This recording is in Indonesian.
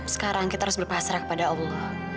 sekarang kita harus berpasrah kepada allah